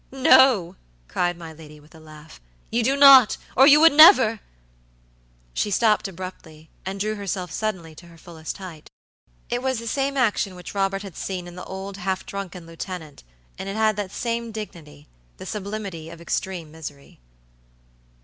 No," cried my lady, with a laugh, "you do not, or you would never" She stopped abruptly and drew herself suddenly to her fullest hight. It was the same action which Robert had seen in the old half drunken lieutenant; and it had that same dignitythe sublimity of extreme misery.